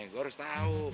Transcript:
gue harus tau